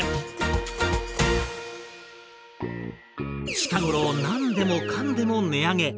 近頃何でもかんでも値上げ。